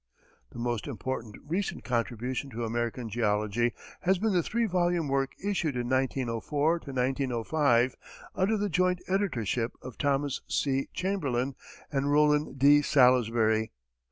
The most important recent contribution to American geology has been the three volume work issued in 1904 5, under the joint editorship of Thomas C. Chamberlain and Rollin D. Salisbury.